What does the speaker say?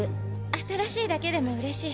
新しいだけでもうれしい。